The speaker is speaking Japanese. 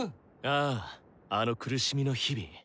あぁあの苦しみの日々。